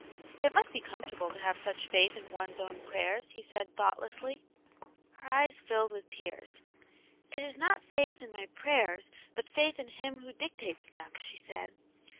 *' It must be comfortable to have such faith in one*s own prayers," he said, thoughtlessly. Her eyes filled with tears. •It is not faith in my prayers, but faith in Him who dictates them," she said.